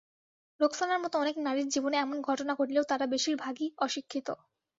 রোকসানার মতো অনেক নারীর জীবনে এমন ঘটনা ঘটলেও তাঁরা বেশির ভাগই অশিক্ষিত।